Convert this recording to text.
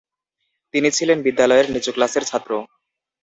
তিনি ছিলেন বিদ্যালয়ের নিচু ক্লাসের ছাত্র।